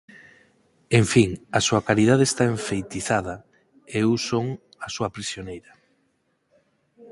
En fin, a súa caridade está enfeitizada, e eu son a súa prisioneira.